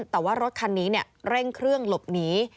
แต่ว่ารถคันนี้เร่งเครื่องหลบหนี